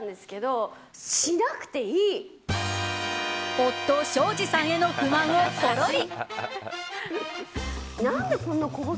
夫・庄司さんへの不満をポロリ。